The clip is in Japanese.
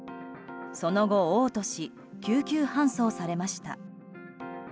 その後、嘔吐し救急搬送されました。